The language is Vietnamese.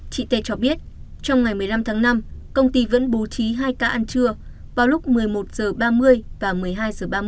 chị tê cho biết trong ngày một mươi năm tháng năm công ty vẫn bố trí hai ca ăn trưa vào lúc một mươi một h ba mươi và một mươi hai h ba mươi